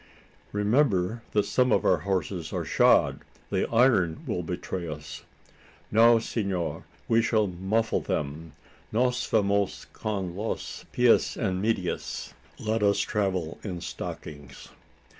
"Remember that some of our horses are shod: the iron will betray us?" "No, senor, we shall muffle them: nos vamos con los pies en medias!" (Let us travel in stockings!)